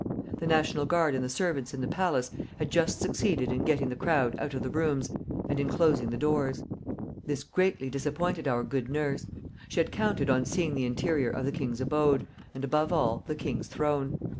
The National Guard and the servants in the palace had just succeeded in getting the crowd out of the rooms and in closing the doors. This greatly disappointed our good nurse. She had counted on seeing the interior of the king's abode, and above all, the king's throne.